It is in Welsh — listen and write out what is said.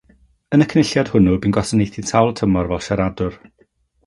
Yn y cynulliad hwnnw, bu'n gwasanaethu sawl tymor fel siaradwr.